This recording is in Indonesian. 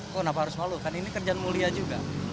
kok kenapa harus malu kan ini kerjaan mulia juga